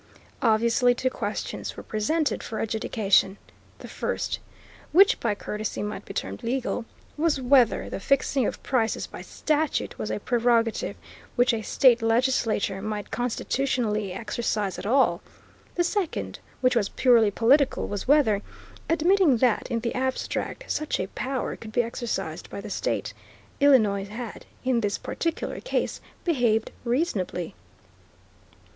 Obviously two questions were presented for adjudication: The first, which by courtesy might be termed legal, was whether the fixing of prices by statute was a prerogative which a state legislature might constitutionally exercise at all; the second, which was purely political, was whether, admitting that, in the abstract, such a power could be exercised by the state, Illinois had, in this particular case, behaved reasonably.